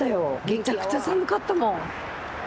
めちゃくちゃ寒かったもん。